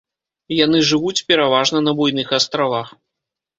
Яны жывуць пераважна на буйных астравах.